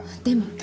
でも。